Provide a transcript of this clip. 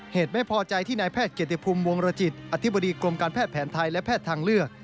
เหตุไม่พอใจที่นายแพทย์เกียรติภูมิวงรจิตอธิบดีกรมการแพทย์แผนไทยและแพทย์ทางเลือก